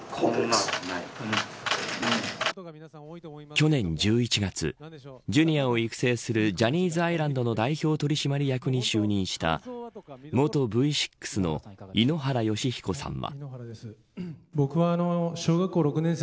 去年１１月ジュニアを育成するジャニーズアイランドの代表取締役に就任した元Ｖ６の井ノ原快彦さんは。